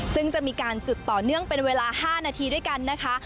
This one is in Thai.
ซึ่งจะมีการจุดต่อเนื่องเป็นเวลา๕นาทีด้วยกันนะคะ